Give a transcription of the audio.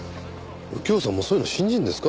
右京さんもそういうの信じるんですか？